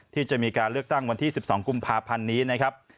ที่จะมีการเลือกตั้งวันที่๑๒กุมภาพันธ์นี้นะครับ